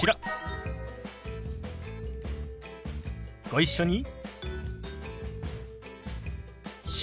ご一緒に。